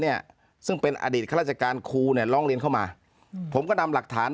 เนี่ยซึ่งเป็นอดีตข้าราชการครูเนี่ยร้องเรียนเข้ามาอืมผมก็นำหลักฐาน